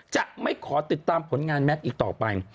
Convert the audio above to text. จะไม่ขอติดตามผลงานแมทอีกต่อไป